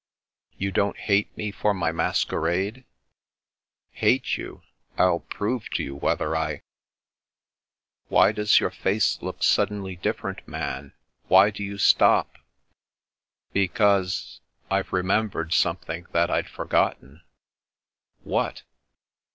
" You don't hate me for my masquerade? "" Hate you ! I'll prove to you whether I " "Why does your face look suddenly different, Man ? Why do you stop ?"" Because — I've remembered something that I'd forgotten." "What?"